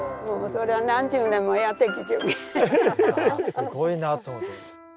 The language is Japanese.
すごいなと思って。